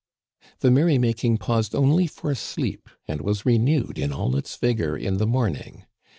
The merry making paused only for sleep, and was re newed in all its vigor in the morning.